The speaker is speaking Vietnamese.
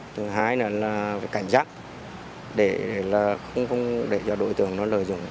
thứ hai là phải cảnh giác để không để cho đối tượng nó lợi dụng